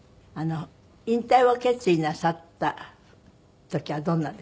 引退を決意なさった時はどんなでした？